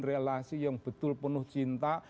relasi yang betul penuh cinta